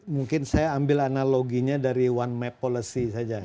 mungkin saya ambil analoginya dari one map policy saja